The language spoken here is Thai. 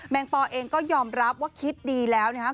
แมงป่าเองก็ยอมรับว่าคิดดีแล้วนะ